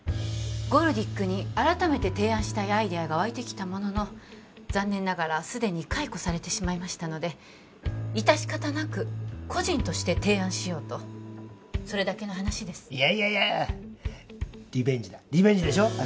ゴルディックに改めて提案したいアイディアが湧いてきたものの残念ながらすでに解雇されてしまいましたので致し方なく個人として提案しようとそれだけの話ですいやいやいやリベンジだリベンジでしょ？